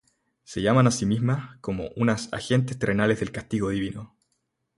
Se llaman a sí mismas, como unas "agentes terrenales del castigo divino".